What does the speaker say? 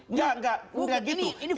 enggak enggak gitu